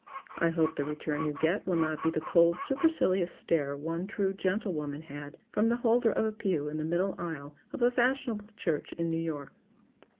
I hope the return you get will not be the cold supercilious stare one true gentlewoman had from the holder of a pew in the middle aisle of a fashionable church in New York.